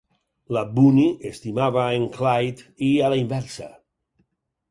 La Boonie estima en Clyde i a la inversa.